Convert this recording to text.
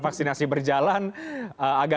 vaksinasi berjalan agak